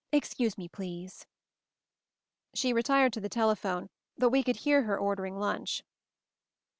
Excuse pie, please." She retired to the telephone, but we could hear her ordering lunch.